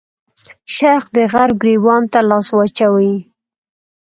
شرق د غرب ګرېوان ته لاس واچوي.